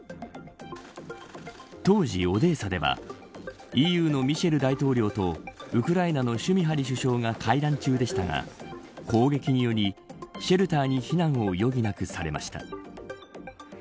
当時、オデーサではＥＵのミシェル大統領とウクライナのシュミハリ首相が会談中でしたが攻撃により、シェルターに避難を余儀なくされました。